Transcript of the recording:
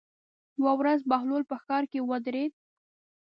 یوه ورځ بهلول په ښار کې ودرېد.